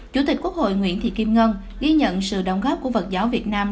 chủ tịch quốc hội nguyễn thị kim ngân ghi nhận sự đóng góp của phật giáo việt nam